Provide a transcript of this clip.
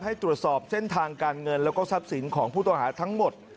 ให้ตรวจสอบเส้นทางการเงินแล้วก็ทรัพย์สินของผู้ต้องหาทั้งหมด